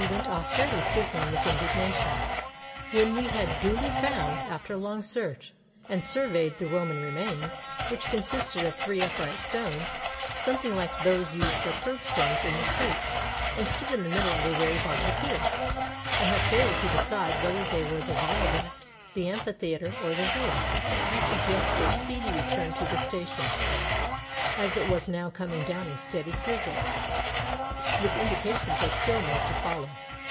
went off fairly sizzling with indignation. When we had duly found (after long search) and surveyed the Roman remains (which consisted of three upright stones, something like those used for kerbstones in the streets, and stood in the middle of a very boggy field), and had failed to decide whether they were the viaduct, the amphitheatre, or the villa, I suggested a speedy return to the station, as it was now coming down a steady drizzle, with indications of still more to follow.